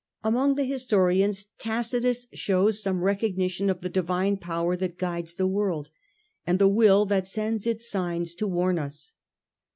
Among the historians Tacitus shows some recog nition of the Divine Power that guides the world, and the will that sends its signs to warn us.